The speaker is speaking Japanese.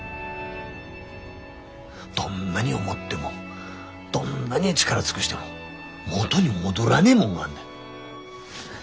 どんなに思ってもどんなに力尽くしても元に戻らねえもんがあんだよ。